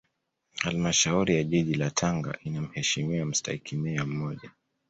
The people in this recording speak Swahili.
Halmashauri ya Jiji la Tanga ina Mheshimiwa Mstahiki Meya mmoja